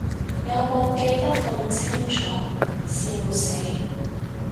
有無記得咁清楚，笑死